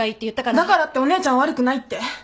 だからってお姉ちゃんは悪くないって？